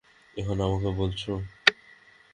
এখন আমাকে বলছ?